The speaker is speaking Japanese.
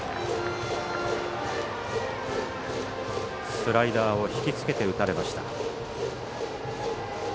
スライダーを引き付けて打たれました。